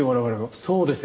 そうですよ。